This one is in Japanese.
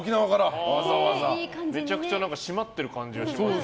めちゃくちゃ締まってる感じが。